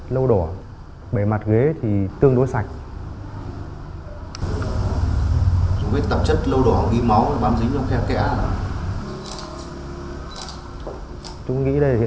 nó đang là đối tượng đã chùi rửa nó đi rồi